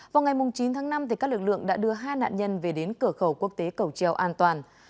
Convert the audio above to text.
vào ngày chín tháng năm các lực lượng đã đưa hai nạn nhân về đến cửa khẩu quốc tế cầu treo an toàn